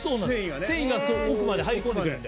繊維が奥まで入り込んでくれるんで。